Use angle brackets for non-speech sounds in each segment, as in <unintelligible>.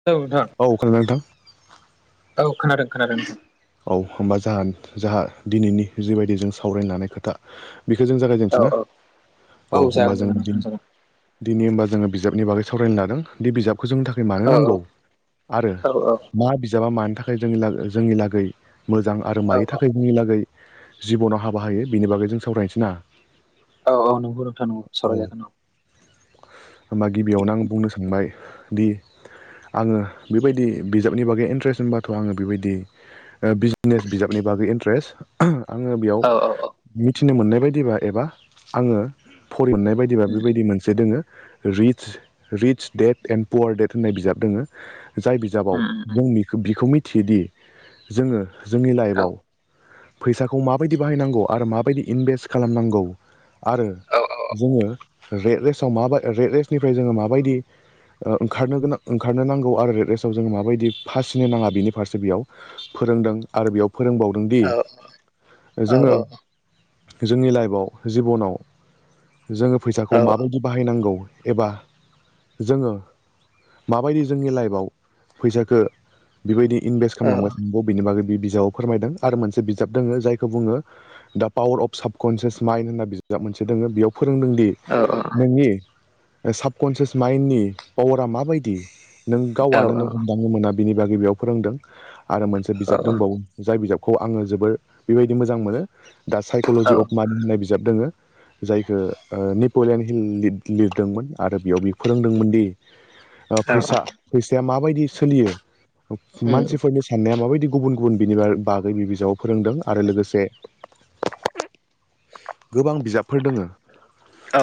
औ नोंथां औ खोनादों नोंथां औ खोनादों खोनादों नोंथां। औ होमबा जा जोंहा दिनैनि जिबायदि जों सावराय लानाय खोथा बेखौ जों जागायजेनसै औ ना औ औ होनोमबा जागोन जागोन जोङो नोंथां जागोन दिनै होमबा जोङो बिजाबनि बागै सावरायनो लादों दि बिजाबखौ जोंनि थाखाय मानो औ औ नांगौ आरो औ मा बिजाबा मानि थाखाय जों जोंनि लागै मोजां आरो औ मानि औ थाखाय जोंनि लागै जिबनाव हाबा होयो बिनि बागै जों सावरायसै ना? औ औ नोंगौ नोंथां सावराय जागोन औ। होमबा गिबियावनो आं बुंनो सानबाय दि आङो बेबायदि बिजाबनि बागै इन्ट्रेस्ट होनबाथ' आङो बेबायदि बिजनेस बिजाबनि बागै इन्ट्रेस्ट आङो बेयाव औ औ औ मिथिनो मोननाय बायदिबा एबा आङो फरि मोननाय बायदिबा उम बेबायदि मोनसे दोङो। रिडच रिडच दडेट एणड पुवार डेट होननाय बिजाब दोङो। जाय बिजाबाव उम उम उम जों इखो बिखौ मिथियोदि जोङो जोंनि औ लाइफआव फैसाखौ माबायदि बाहायनांगौ आरो माबायदि इनभेस्ट खालामनांगौ आरो औ जोङो रेड रेस्टाव माब रेड रेस्टनिफ्राय जोङो माबायदि ओ ओंखारनो गोनां ओंखारनो नांगौ आरो रेस्टआव जों माबायदि फासिनो नाङा बेनि फारसे बेयाव फोरोंदों आरो बेयाव फोरोंबावदों दि औ औ जोङो जोंनि लाइफआव जिबनाव जोङो औ फैसाखौ माबायदि बाहायनांगौ एबा जोङो माबायदि जोंनि लाइफआव फैसाखो बेबायदि इनभेस्ट औ खालामलांगास औ ब बिनि बागै बे बिजाबाव फोरमायदों आरो मोनसे बिजाब दोङो जायखौ बुङो। दा पावार अफ साबकनसियास माइन्ड होनना बिजाब मोनसे दङो बेयाव फोरोंदों दि औ औ। नोंनि साबकनसियास माइन्डनि पावारा माबायदि नों गावआनो नों औ हमदांनो मोना बिनि बागै बेयाव फोरोंदों आरो मोनसे बिजाब आं दंबावो। जाय बिजाबखौ आङो जोबोर बेबायदि मोजां मोनो दा साइक'लजि अफ मानि होननाय बिजाब दोङो जायखो ओ नीब पलेेन हिल लिर लिरदोंमोन आरो बेयाव बि फोरोंदोंमोन दि ओ फैसा फैसाया माबायदि सोलियो मानसिफोरनि सों नाया माबायदि गुबुन गुबुन बिनि बार बागै बि बिजाव फोरोंदों आरो लोगोसे गोबां बिजाबफोर दोङो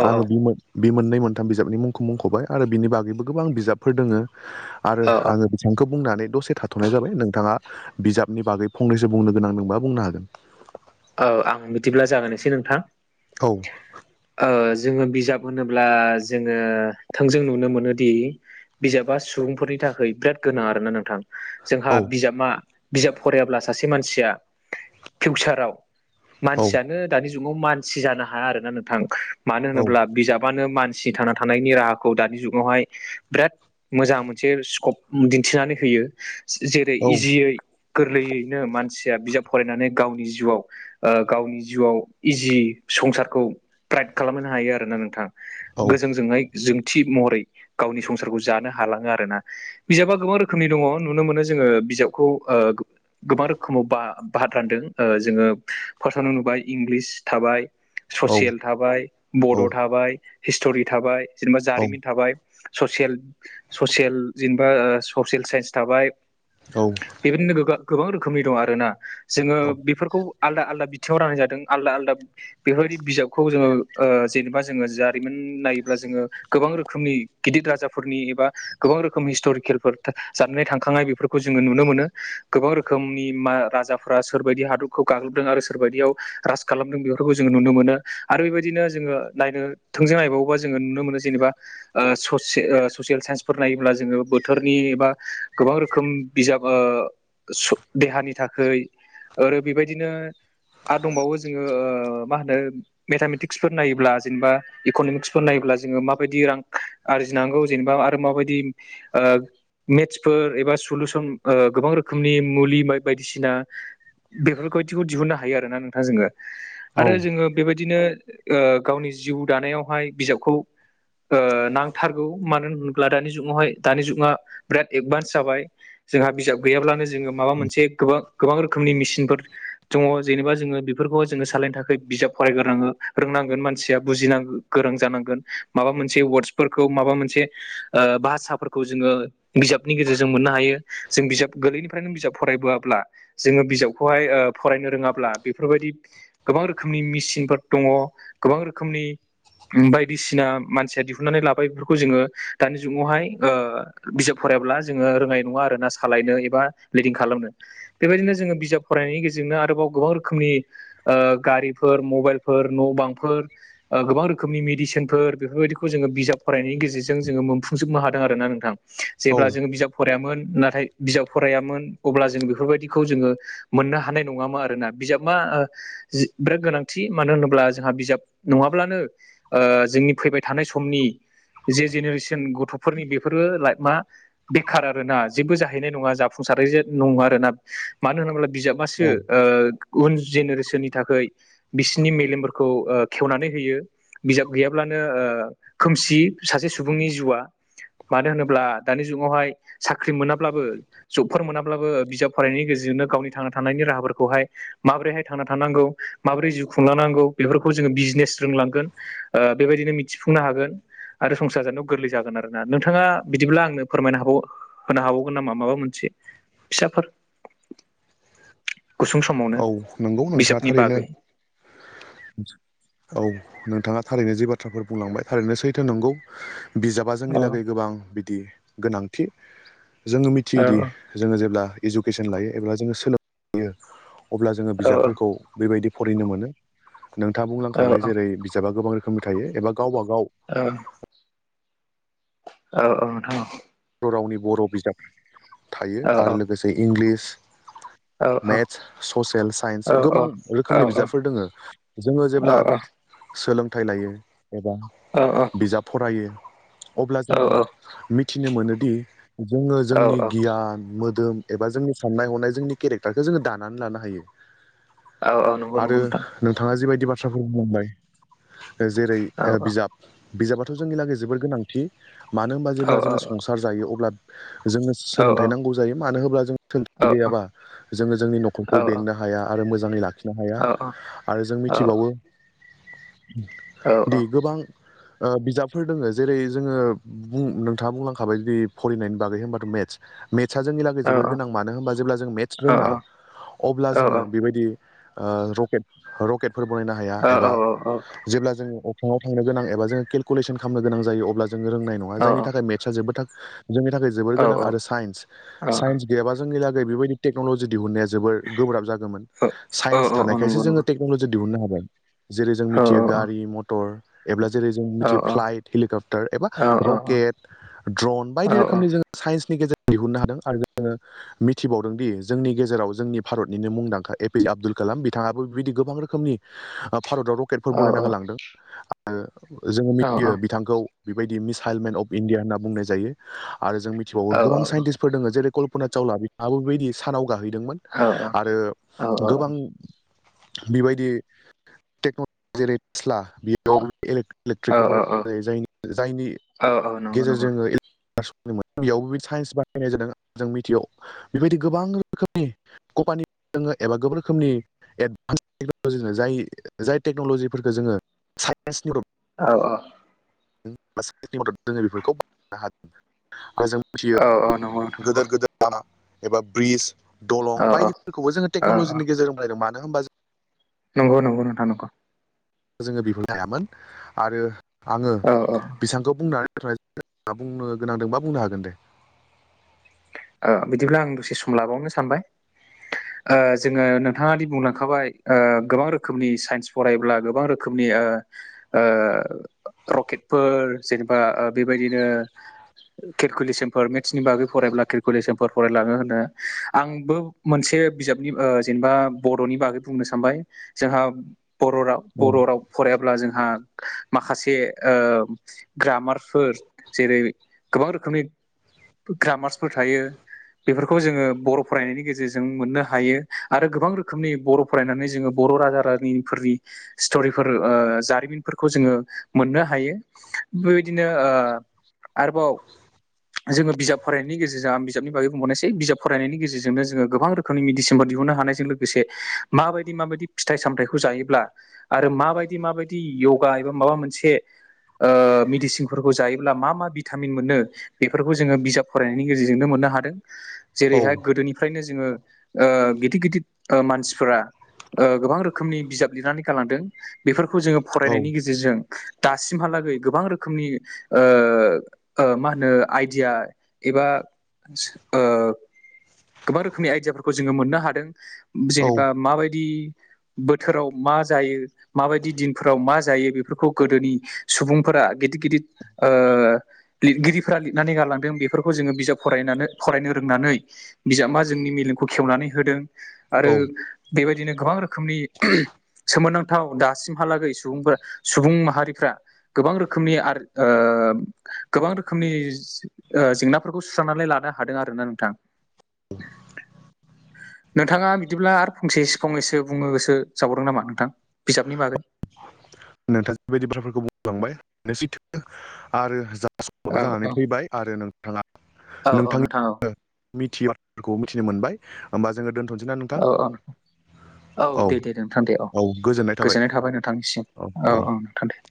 आङो बिमोन बे मोननै मोनथाम बिजाबनि मुंखौ मुंख'बाय आरो बिनि बागैबो गोबां बिजाबफोर दोङो आरो आङो बेसेबांखौ बुंनानै दसे थाथ'नाय जाबाय नोंथाङा बिजाबनि बागै फंनैसो बुंनो गोनां दंबा बुंनो हागोन। औ आं बिदिब्ला जागायनोसै नोंथां। औ। ओ जोङो बिजाब होनोब्ला जोङो थोंजों नुनो मोनोदि बिजाबा सुबुंफोरनि थाखाय बिराद गोनां आरोना नोंथां। जोंहा औ बिजाबा बिजाब फरायाब्ला सासे मानसिया फिउचाराव औ मानसियानो दानि जुगाव मानसि जानो हाया आरोना नोंथां। मानो औ होनोब्ला बिजाबानो मानसिनि थांना थानायनि राहाखौ दानि जुगावहाय बिराद मोजां मोनसे स्कप दिन्थिनानै होयो। जेरै औ इजियै गोरलैयैनो मानसिया बिजाब फरायनानै गावनि जिउआव ओ गावनि जिउआव इजि संसारखौ प्राइट खालामहोनो हायो आरोना नोंथां औ गोजोंजोंङै जोंथि महरै गावनि संसारखौ जानो हालाङो आरोना बिजाबा गोबां रोखोमनि दङ नुनो मोनो जोङो बिजाबखौ ओ गोबां रोखोमाव बा भात रानदों ओ जोङो फार्स्ट आवनो नुबाय इंलिस थाबाय औ ससियेल थाबाय औ बड' थाबाय हिस्ट'रि थाबाय जेनेबा औ जारिमिन थाबाय ससियेल ससियेल जेनेबा ससियेल साइन्स थाबाय औ बेबायदिनो गोगो गोबां रोखोमनि दं आरोना जोङो बेफोरखौ आलदा आलदा बिथिङाव रान जादों आलदा आलदा बेफोरबायदि बिजाबखौ जोङो ओ जेनेबा जोङो जारिमिन नायोब्ला जोङो गोबां रोखोमनि गिदिर राजाफोरनि एबा गोबां रोखोम हिस्ट'रिकेलफोर जाननाय थांखांनाय बेफोरखौ जोङो नुनो मोनो गोबां रोखोमनि राजा फोरा सोरबायदि हादरखौ गाग्लोबदों आरो सोरबायदियाव राज खालामदों बेफोरखौ जोङो नुनो मोनो आरो बेबायदिनो जोङो नायनो थोंजों नायबावोबा जोङो नुनो मोन जेनेबा ओ ससिये ससियेल साइन्सफोर नायोब्ला जोङो बोथोरनि एबा गोबां रोखोम बिजाब ओ सु देहानि थाखै आरो बेबायदिनो आरो दंबावो जोङो मा होनो मेथामेटिक्सफोर नायोब्ला जेनेबा इकन'मिक्सफोर नायोब्ला जोङो माबायदि रां आरजिनांगौ जेनेबा आरो माबायदि ओ मेट्सफोर एबा सलुसन ओ गोबां रोखोमनि मुलि बायदिसिना बेफोरबायदिखौ दिहुननो हायो आरोना नोंथां जोङो आरो जोङो बेबायदिनो ओ गावनि जिउ दानायावहाय बिजाबखौ ओ नांथारगौ मानो होनोब्ला दानि जुगावहाय दानि जुगा बिराद एडभान्स जाबाय जोंहा बिजाब गैयाब्लानो जोङो माबा मोनसे गोबां गोबां रोखोमनि मिसिन फोर दङ जेनेबा जोङो बेफोरखौ जोङो सालायनो थाखाय बिजाब फरायग्रोनो रोंनांगोन मानसिया बुजिनांगोन गोरों जानांगोन माबा मोनसे वार्डसफोरखौ माबा मोनसे ओ भाषाफोरखौ जोङो बिजाबनि गेजेरजों मोननो हायो जों बिजाब गोरलैनिफ्रायनो बिजाब फरायबोआब्ला जोङो बिजाब खौहाय ओ फरायनो रोङाब्ला बेफोरबायदि गोबां रोखोमनि मिसिनफोर दङ गोबां रोखोमनि बायदिसिना मानसिया दिहुननानै लाबाय बेफोरखौ जोङो दानि जुगावहाय ओ बिजाब फरायब्ला जोङो रोनाय नङा आरो ना सालायनो एबा लिदिं खालामनो बेबायदिनो जोङो बिजाब फरायनायनि गेजेरजोंनो आरोबाव गोबां रोखोमनि ओ गारिफोर मबाइलफोर न' बांफोर ओ गोबां रोखोमनि मेडिसिनफोर बेफोरबायदिखौ जोङो बिजाब फरायनायनि गेजेरजों जोङो मोनफुंजोबनो हादों आरो ना नोंथां औ जेब्ला जोङो बिजाब फरायामोन नाथाय बिजाब फरायामोन अब्ला जोङो बेफोरबायदिखौ जोङो मोननो हानाय नङामा आरोना बिजाब मा जि बिराद गोनांथि मानो होनोब्ला जोंहा बिजाब नङाब्लानो ओ जोंनि फैबाय थानाय समनि जे जेनेरेसन गथ'फोरनि बेफोरबो लाइफ मा बेखार आरोना जेबो जाहैनाय नङा जाफुंसारनाय नङा आरोना मानो होनोब्ला बिजाबासो औ ओ उन जेनेरेसननि थाखोय बिसिनि मेलेमफोरखौ ओ खेवनानै होयो बिजाब गैयाब्लानो ओ खोमसि सासे सुबुंनि जिउआ मानो होनोब्ला दानि जुगावहाय साख्रि मोनाब्लाबो जबफोर मोनाब्लाबो बिजाब फरायनायनि गेजेरजोंनो गावनि थांना थानायनि राहाफोरखौहाय माबोरैहाय थांना थानांगौ माबोरै जिउ खुंलांनांगौ बेफोरखौ जोङो बिजनेस रोंलांगोन ओ बेबायदिनो मिथिफुंनो हागोन आरो संसार जानायाव गोरलै जागोन आरोना नोंथाङा बिदिब्ला आंनो फोरमायनो हाबावो होनो हाबावगोन नामा माबा मोनसे फिसाफोर गुसुं समावनो औ नंगौ नोंथाङा बिजाबनि थारैनो बागै <inaudible> औ नोंथाङा थारैनो जि बाथ्राफोर बुंलांबाय थारैनो सैथो नंगौ बिजाबा औ जोंनि लागै गोबां बिदि गोनांथि जोङो मिथियोदि जोङो जेब्ला इजुकेसन लायो एब्ला जोङो सोलोंहैयो अब्ला जोङो औ बिजाबफोरखौ बेबायदि फरायनो मोनो नोंथाङा औ बुंलांखाबाय जेरै बिजाबा गोबां रोखोम खोमै थायो एबा गावबागाव ओं औ औ नोंथां औ बर' रावनि बर' बिजाब थायो औ औ आरो लोगोसे इंलिस औ औ मेथ्स ससियेल साइन्स गोबां रोखोमनि औ बिजाबफोर दोङो जोङो जेब्ला सोलोंथाइ लायो एबा बिजाब फरायो अब्ला औ जोङो। मिथिनो मोनोदि जोङो औ जोंनि गियान मोदोम एबा जोंनि साननाय हनाय जोंनि केरेक्टारखौ जोङो दानानै लानो हायो औ नंगौ आरो नंगौ नोंथां नोंथाङा जिबायदि बाथ्राफोर बुंलांबाय जेरै औ बिजाब बिजाबाथ' जोंनि लागै जोबोद गोनांथि मानो होनबा औ जेब्ला औ जोङो संसार जायो अब्ला जोङो औ सोलोंथाइ नांगौ जायो मानो होनोब्ला जों <unintelligible> सोलोंथाइ गैयाबा जोङो जोंनि औ नखरखौ बेंनो <unintelligible> हायो हाया आरो मोजाङै लाखिनो हाया औ आरो जों मिथिबावो दि गोबां बिजाबफोर दोङ जेरै जोङो नोंथाङा बुंलां माबाय जदि फरायनायनि बागै होनबाथ' मेथ्सेट्सआ जोंनि थाखायग जोबोर गोनां मानो होनबा जेब्ला जों मेथ्स रोङा अब्ला जोङो बेबायदि रकेट रकेटफोर बनायनो हाया एबा जेब्ला जोङो अफ्र्रााव थांनो गोनां एबा जङो केलकुलेसन खालामनो गां जायो अब्ला जोङो रोंनाय नङा जायनि थाखाय <unintelligible> <unintelligible> जोंनि थाखाय जोबोर गोनां आरो साइन्स सन्स <unintelligible> गैयाबा जोंनिलागै बेबायदि टेक्नल'जि दिहुननाय जोबद गोब्राब जागोन। औ सासथानायखायसो नंगौ जोङो नंगौ औ टेकनलजि दिहुननो औ औ औ औ हाबाय मटर ऐब्ला जेरै जों नंगौ मिथियो औ फ्लाइट हेलिकप्टार एबा औ रकेट ड्रन बायदि रोखोमनि जोङो साइन्सनि <unintelligible> गेजेरजों दिहुननो हादों आरो जोङो मिथिबावदों दि जोंनि गेजेराव जोंनि भारतनिनो मुंदांखा ए पि आब्दुल कालाम बिथाङाबो बेबायदि गोबां रोखोमनि भारताव <unintelligible> ककेटफोर बरायना गारालांदों आरो <unintelligible> जोङो मिथियो बिथांखौ बेबायदि मिसाइलमेन अफ इण्डिया होनना बुंनाय जायो आरो जों मिथिबावो गोबां साइन्टिस् दङ जेरै कल्पना चावला बिथाङाबो बेबायदि सानाव गाहैदोंमोन। आरो <inaudible> बेबायदि <unintelligible> बेयावबो <unintelligible> इलेक्ट्रिकेलनाय ज जायनि गेजेरजोंङो मोन <unintelligible> बेयावबो बिदि साइन्स बानायनाय जादों जों मिथियाव बेबायदि गोबां रोखोमनि कपानि दङ एबा गोबां रोखोमनि एडभान्स <unintelligible> टेक्न'लजिनो जाय जाय टेक्न'ल'जिफोरफोरखौ जोङो साइन्सनिद <unintelligible> औ औ जोङो बेफोरखौ <unintelligible> बनो हागोन आरो जों मिथियो गोदोर गोदोर <unintelligible> एबा ब्रिज दलं बायदिफोरखौबो जोङो औ औ टेक्न'लजिनि गेजेरजोंलायदों मानो होनबा जों नंगौ नंगौ नोंथा <unintelligible> जोङो बिह लायामोन आरो औ बेसेबांखौ बुंनानै बुंनो <unintelligible> गोनांदोंबा बुंनो हागोन दे ओ बिदिब्ला आं दसे सम लाबावनो सानबाय जोङो नोंथाङ दि बुंलांखाबाय गोबां रोखोमनि साइन्स फरायब्ला गोबां रोखोम रोखोमनि ओ ओ रकेटफोर जेनेबा बेबायदिनो केलकुेसन मे्सनि बागै <unintelligible> फरायलाङो होनो बुंनो सानबाय जोंहा बर' राव औ बर' राव फरायाब्ला जोंहा माखासेओ ग्रामारसफोर जेरै गोबां रोखोमनि ग्रामार्सफोर थायो। बेफोरखौ जोङो बर' फरायनायनि गेजेरजों मोननो हायो आरो गोबां फरायनानै जोङो बर' राजा रानिफोरनि <unintelligible> बेबायदिनो आरोबाव जोङो बिजाब फरायनो बेनि गेजेरजों आं बिजाबनि बागै बुंबावनायसै बिजाब फरायनायनि गेजजोंनो जोङो गोबां रोखोमनि मेिसिनफोर दिहुननो हानायजों लोगोसे माबायदि माबायदि फिथाइ सामथायाइखौ जायोब्ला आरो माबायदि माबायदि य'गा एबा माबा मोनसे मेडिसिनफोरखौ जायोब्ला मा मा भिटामिन मोनो बेफोरखौ जोङो बिजाब फरायनायनि गेजेरजोंनो मोननो हादों जेरै औ ओ गिदिर गिदिर मानसिफोरा गोबां रोखोमनि बिजाब लिरनानै गालांदों बेफोरखौ जोङो फरायनायनि औ गेजेरजों दासिमहालागै गोबां रोखोमनि ओ मा होनो आइडिया एबा सो ओ गोबां रोखोमनि आइडियाफोरखौ जोङो मोननो हादों जेनेबा माबायदि बोथोराव मा जायो माबायदि दिनफोराव मा जायो बेफोरखौ गोदोनि सुबुंफोरा गिदिर गिदिर ओ लिरगिरिफोरा लिरनानै गाललांदों बेफोरखौ जोङो बिजाब फरायनानै फरायनो रोंनानै बिजाबा जोंनि मेलेमखौ खेवनानै होदों आरो औ बेबायदिनो गोबां रोखोमनि सोमोनांथाव दासिमहालागै सुबुं सुबुं माहारिफ्रा गोबां रोखोमनि आरो ओ गोबां रोखोमनि ओ जेंनाफोरखौ सुस्रांनानै लानो हादों आर ना नोंथां। <inaudible> नोंथाङा बिदिब्ला आरो फंसेसो फंनैसो बुङो गोसो जाबावदों नामा नोंथां बिजाबनि बागै? नोंथाङा जिबायदि बाथ्राफोरखौ बुंलांबाय सैथो आरो जा बो औ जानानै औ फैबाय आरो नोंथाङा औ औ नोंथांनि नोंथां औ ओ मिथियै बाथ्राफोरखौ मिथिनो मोनबाय होमबा जोङो दोन्थ'सैना नोंथां? औ औ दे दे नोंथां दे औ गोजोननाय थाबाय नोंथांनिसिम औ औ नोंथां दे।